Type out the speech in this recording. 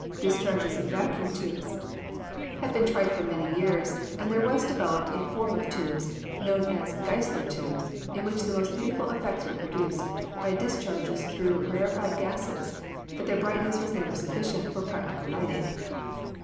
Discharges in vacuum tubes have been tried for many HISTORY OF ELECTRIC LIGHTING 247 years and there was developed a form of tubes, known as Geissler tubes, in which the most beautiful effects were produced by discharges through rarefied gases, but their brightness was never sufficient for practical lighting.